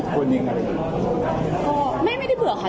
ก็ไม่ไม่ได้เผื่อค่ะ